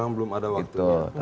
belum ada waktunya